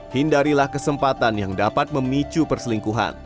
hindarilah kesempatan yang dapat memicu perselingkuhan